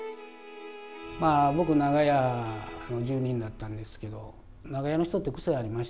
僕長屋の住人だったんですけど長屋の人って癖ありましてね